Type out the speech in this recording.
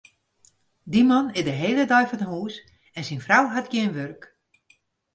Dy man is de hiele dei fan hús en syn frou hat gjin wurk.